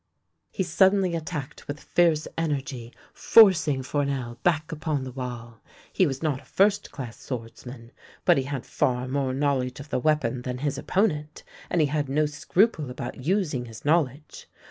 " He suddenly attacked with a fierce energy, forcing Fournel back upon the wall. He was not a first class swordsman, but he had far more knowledge of the weapon than his opponent, and he had no scruple about using his knowledge.